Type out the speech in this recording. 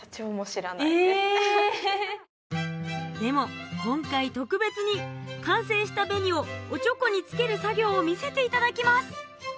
でも今回特別に完成した紅をおちょこにつける作業を見せていただきます